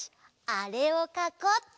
あれをかこうっと！